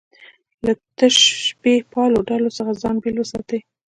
له تشبیه پالو ډلو څخه ځان بېل وساتي.